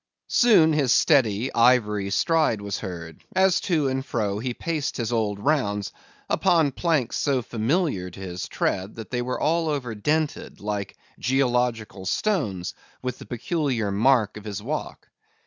Soon his steady, ivory stride was heard, as to and fro he paced his old rounds, upon planks so familiar to his tread, that they were all over dented, like geological stones, with the peculiar mark of his walk.